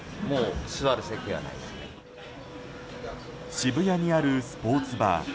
渋谷にあるスポーツバー。